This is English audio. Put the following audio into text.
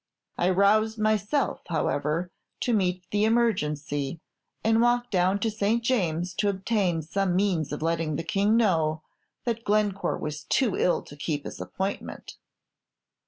I roused myself, however, to meet the emergency, and walked down to St. James's to obtain some means of letting the King know that Glencore was too ill to keep his appointment.